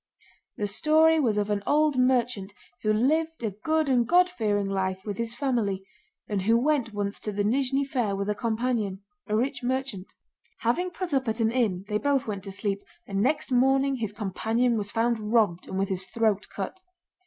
The story was of an old merchant who lived a good and God fearing life with his family, and who went once to the Nízhni fair with a companion—a rich merchant. Having put up at an inn they both went to sleep, and next morning his companion was found robbed and with his throat cut.